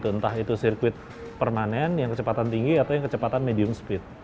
entah itu sirkuit permanen yang kecepatan tinggi atau yang kecepatan medium speed